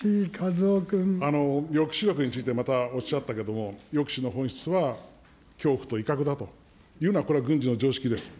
抑止力についてまたおっしゃったけれども、抑止の本質は恐怖と威嚇だということは、これは軍事の常識です。